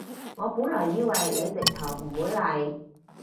我本來以為你直頭唔會嚟